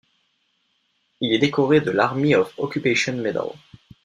Il est décoré de l'Army of Occupation Medal.